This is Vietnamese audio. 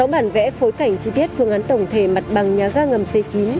sáu bản vẽ phối cảnh chi tiết phương án tổng thể mặt bằng nhà ga ngầm c chín